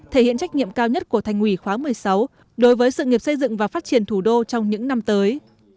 thể hiện trách nhiệm cao nhất của thành ủy khóa một mươi sáu đối với sự nghiệp xây dựng và phát triển thủ đô trong những năm tới